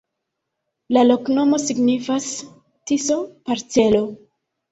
La loknomo signifas: Tiso-parcelo.